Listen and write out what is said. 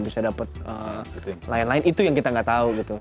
bisa dapat lain lain itu yang kita nggak tahu gitu